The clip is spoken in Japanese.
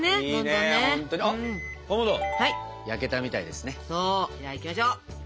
じゃあいきましょう！